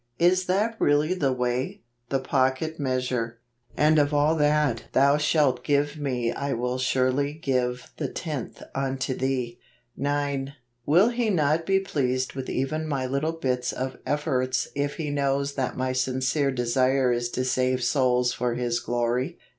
Is that really the way ? The Pocket Measure. 11 And of all that thou shalt give me I will surely give the tenth unto thee. 1 9. "Will He not be pleased with even my little bits of efforts if He knows that my sincere desire is to save souls for his glory